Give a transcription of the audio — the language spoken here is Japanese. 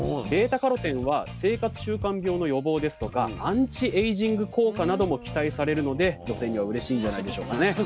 β−カロテンは生活習慣病の予防ですとかアンチエイジング効果なども期待されるので女性にはうれしいんじゃないでしょうかね。